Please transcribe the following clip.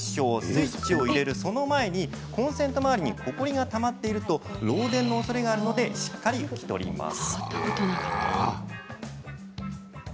スイッチを入れるその前にコンセント周りにほこりがたまっていると漏電の恐れがあるのでしっかり拭き取ります。